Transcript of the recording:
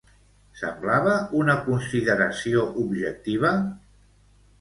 Semblava una consideració objectiva?